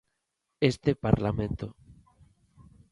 Este Parlamento.